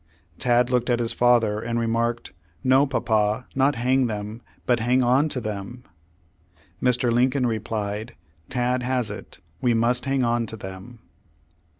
Tad looked at his father, and remarked: "No, papa, not hang them, but hang on to them !" Mr. Lin coln replied, "Tad has it, we must hang on to them."